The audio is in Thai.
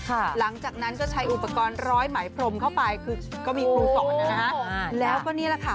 หลังจากนั้นก็ใช้อุปกรณ์ร้อยไหมพรมเข้าไปคือก็มีครูสอนนะฮะแล้วก็นี่แหละค่ะ